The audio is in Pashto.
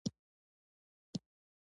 د ماشومانو ساتنه د ټولنې مسؤلیت دی.